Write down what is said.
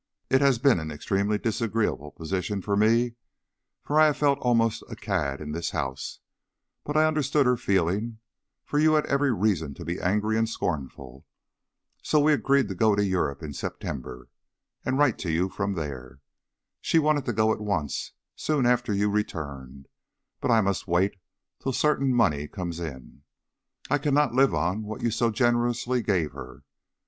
It has been an extremely disagreeable position to me, for I have felt almost a cad in this house, but I understood her feeling, for you had every reason to be angry and scornful. So we agreed to go to Europe in September and write to you from there. She wanted to go at once soon after you returned; but I must wait till certain money comes in. I cannot live on what you so generously gave her.